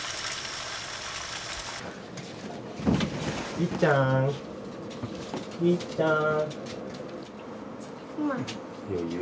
いっちゃんいっちゃん。